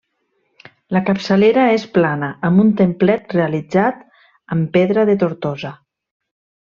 La capçalera és plana amb un templet realitzat amb pedra de Tortosa.